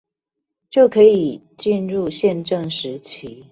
就可進入憲政時期